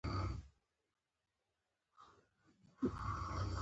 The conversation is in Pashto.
افغانستان د لويو سلطنتونو کوربه و.